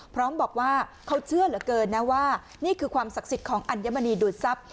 พร้อมบอกว่าเขาเชื่อเหลือเกินนะว่านี่คือความศักดิ์สิทธิ์ของอัญมณีดูดทรัพย์